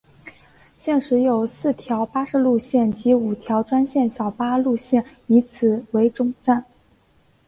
现时有四条巴士路线及五条专线小巴路线以此为总站。